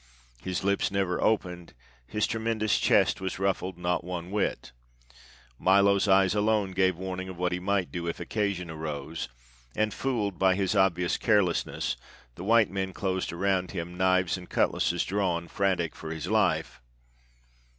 His lips never opened, his tremendous chest was ruffled not one whit; Milo's eyes alone gave warning of what he might do if occasion arose; and fooled by his obvious carelessness, the white men closed around him, knives and cutlases drawn, frantic for his life.